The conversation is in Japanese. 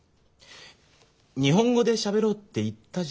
日本語でしゃべろうって言ったじゃありませんか。